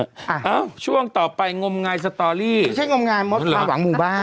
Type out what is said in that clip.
เอ้าช่วงต่อไปงมงายสตอรี่ไม่ใช่งมงายมดความหวังหมู่บ้าน